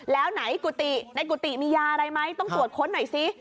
แล้วไหนกุฏิในกุฏิมียาอะไรไหมต้องตรวจค้นหน่อยซิ